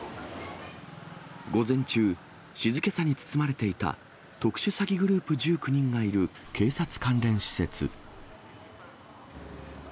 午前中、静けさに包まれていた特殊詐欺グループ１９人がいる警察関連施設。